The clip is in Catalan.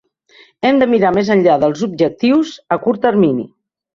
Hem de mirar més enllà dels objectius a curt termini.